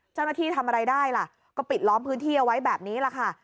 ทำอะไรได้ล่ะก็ปิดล้อมพื้นที่เอาไว้แบบนี้แหละค่ะ